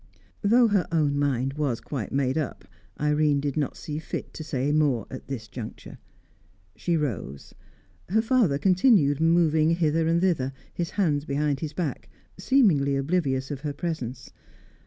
Though her own mind was quite made up, Irene did not see fit to say more at this juncture. She rose. Her father continued moving hither and thither, his hands behind his back, seemingly oblivious of her presence.